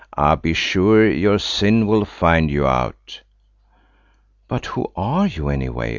"Ah, be sure your sin will find you out." "But who are you, anyway!"